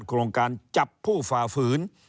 โครงการจับผู้ฝ่าฝืน